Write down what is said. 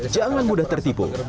jangan mudah tertipu